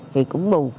thì cũng buồn